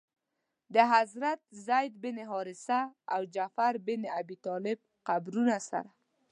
د حضرت زید بن حارثه او جعفر بن ابي طالب قبرونو سره.